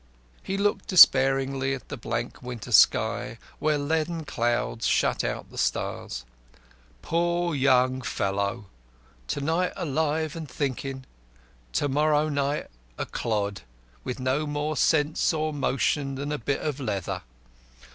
He looked despairingly at the blank winter sky, where leaden clouds shut out the stars. "Poor, poor young fellow! To night alive and thinking. To morrow night a clod, with no more sense or motion than a bit of leather!